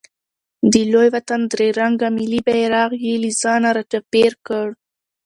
د لوی وطن درې رنګه ملي بیرغ یې له ځانه راچاپېر کړ.